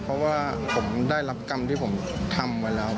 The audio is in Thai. เพราะว่าผมได้รับกรรมที่ผมทำไว้แล้ว